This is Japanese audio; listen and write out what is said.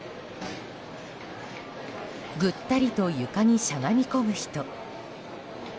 ぐったりと床にしゃがみ込む人。